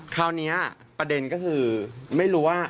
คราวนี้ประเด็นก็คือไม่รู้ว่า